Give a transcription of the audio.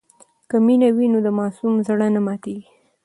که مینه وي نو د ماسوم زړه نه ماتېږي.